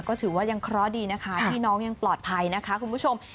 ก็ถือว่ายังเคราะห์ดีนะคะที่น้องยังปลอดภัยนะคะคุณผู้ชม